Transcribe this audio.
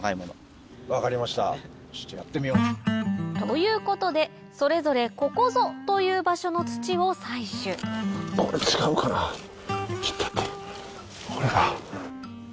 分かりましたちょっとやってみよう。ということでそれぞれここぞという場所の土を採取これは。